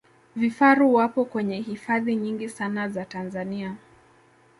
vifaru wapo kwenye hifadhi nyingi sana za tanzania